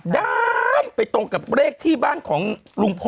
ดาาาาาานไปตรงเท่าโลกเรขที่บ้านของรุงพล